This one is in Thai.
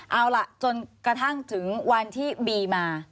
เอาล่ะจนกระทั่งถึงวันที่บีมา